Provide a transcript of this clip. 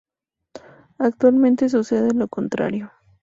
Actualmente sucede lo contrario.